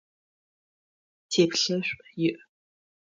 Теплъэшӏу иӏ.